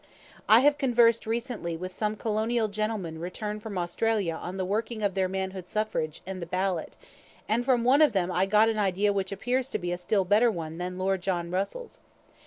I have conversed recently with some colonial gentlemen returned from Australia on the working of their manhood suffrage and the ballot, and from one of them I got an idea which appears to be a still better one than Lord John Russell's.